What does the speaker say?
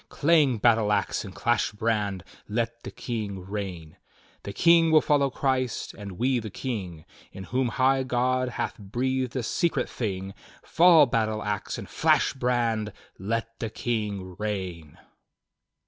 Clang battle ax, and clash brand! Let the King reign! "'The King will follow Christ, and we the King, In whom high God hath breathed a secret thing. Fall battle ax, and flash brand! Let the King reign!"